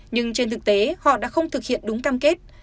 nhưng trên thực tế họ đã không thực hiện đúng cam kết